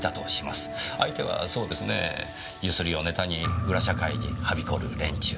相手はそうですねゆすりをネタに裏社会にはびこる連中。